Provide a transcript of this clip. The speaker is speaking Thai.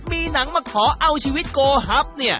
มีหนังมาขอเอาชีวิตโกฮับเนี่ย